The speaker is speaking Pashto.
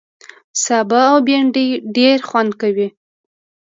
سابه او بېنډۍ ډېر خوند کوي